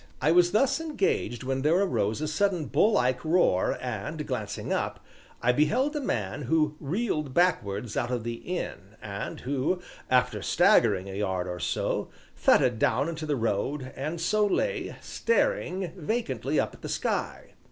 I was thus engaged when there arose a sudden bull like roar and, glancing up, I beheld a man who reeled backwards out of the inn and who, after staggering a yard or so, thudded down into the road and so lay, staring vacantly up at the sky.